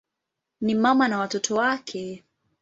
Ni mama na watoto wake.